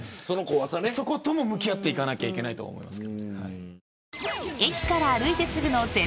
そことも向き合っていかなきゃいけないと思います。